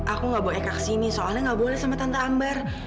aku nggak bawa eka ke sini soalnya nggak boleh sama tante ambar